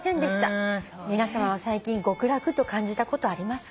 「皆さまは最近極楽と感じたことありますか？」